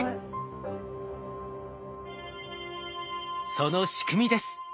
その仕組みです。